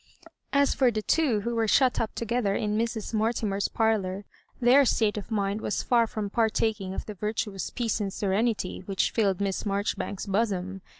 ^ As for the two who were shut up together in Mrs. Mortimer's parlour, their state of mind was far from partaking of the virtuous peace and sere nity which filled Miss Marjoribauks's bosom.